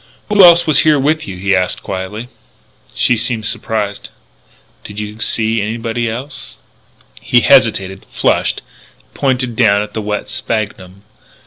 "Who else was here with you?" he asked quietly. She seemed surprised. "Did you see anybody else?" He hesitated, flushed, pointed down at the wet sphagnum.